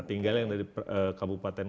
tinggal yang dari kabupaten